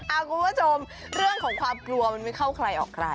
คุณผู้ชมเรื่องของความกลัวมันไม่เข้าใครออกใคร